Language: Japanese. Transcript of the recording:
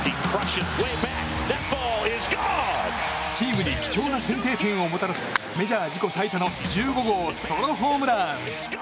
チームに貴重な先制点をもたらすメジャー自己最多の１５号ソロホームラン！